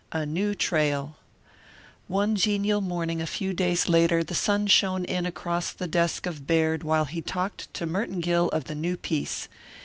A NEW TRAIL One genial morning a few days later the sun shone in across the desk of Baird while he talked to Merton Gill of the new piece.